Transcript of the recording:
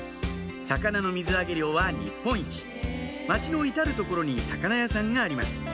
魚の水揚げ量は日本一町の至る所に魚屋さんがあります